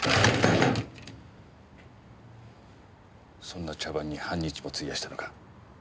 そんな茶番に半日も費やしたのか？